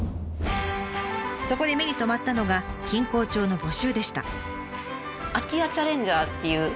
そこで目に留まったのが錦江町の募集でした。